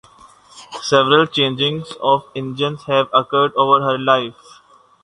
Several changes of engines have occurred over her life.